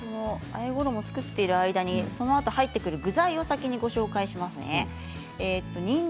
あえ物を作っている間にそのあと入ってくる具材を紹介します。